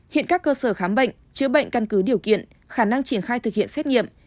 hiện các cơ sở khám bệnh chữa bệnh căn cứ điều kiện khả năng triển khai thực hiện xét nghiệm